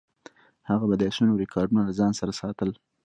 هغه به د اسونو ریکارډونه له ځان سره ساتل.